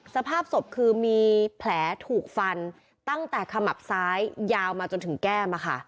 สภาพศพคือมีแผลถูกฟันตั้งแต่ขมับซ้ายยาวมาจนถึงแก้ม